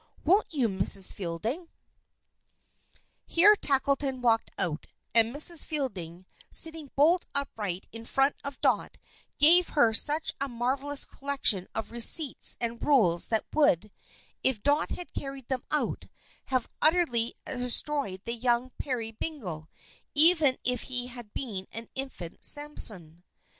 Won't you, Mrs. Fielding?" Here Tackleton walked out, and Mrs. Fielding, sitting bolt upright in front of Dot, gave her such a marvelous collection of receipts and rules that would, if Dot had carried them out, have utterly destroyed the young Peerybingle, even if he had been an infant Samson.